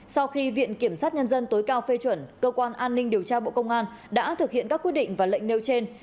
sau khi viện kiểm sát nhân dân tối cao phê chuẩn cơ quan an ninh điều tra bộ công an đã thực hiện các quyết định và lệnh nêu trên